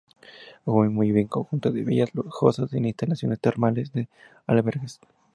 Fue más bien un conjunto de villas lujosas, de instalaciones termales, de albergues.